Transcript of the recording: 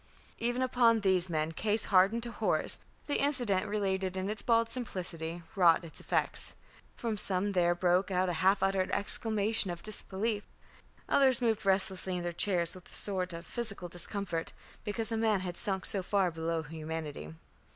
Even upon these men, case hardened to horrors, the incident related in its bald simplicity wrought its effect. From some there broke a half uttered exclamation of disbelief; others moved restlessly in their chairs with a sort of physical discomfort, because a man had sunk so far below humanity.